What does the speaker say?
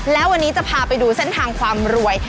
แล้ววันนี้จะพาไปดูเส้นทางความรวย